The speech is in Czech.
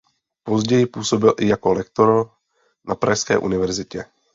Později působil i jako lektor na pražské univerzitě.